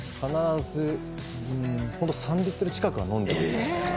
ホント３リットル近くは飲んでますね。